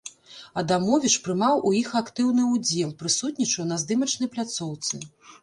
Адамовіч прымаў у іх актыўны ўдзел, прысутнічаў на здымачнай пляцоўцы.